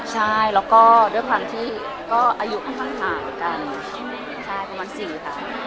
ใช่แล้วก็ด้วยความที่ก็อายุกันมากกันใช่ประมาณสี่ค่ะ